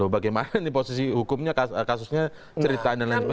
bagaimana ini posisi hukumnya kasusnya ceritaan dan lain sebagainya